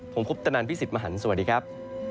ผมคุปตนันพี่สิทธิ์มหันฯสวัสดีครับ